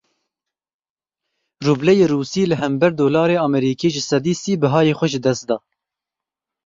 Rubleyê Rûsî li hember Dolarê Amerîkî ji sedî sî bihayê xwe ji dest da.